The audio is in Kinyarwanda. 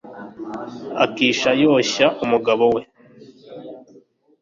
akisha yoshya umugabo we